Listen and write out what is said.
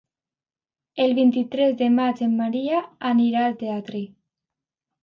El vint-i-tres de maig en Maria anirà al teatre.